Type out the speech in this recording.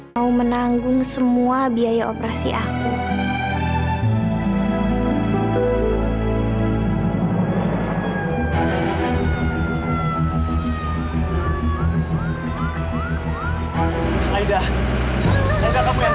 mau menanggung semua biaya operasi aku